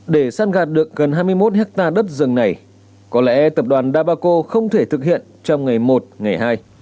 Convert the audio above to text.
để săn gạt được gần hai mươi một hectare đất rừng này có lẽ tập đoàn đà bà cộ không thể thực hiện trong ngày một ngày hai